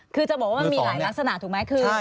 คือจะบอกว่ามันมีหลายลักษณะถูกไหมคือ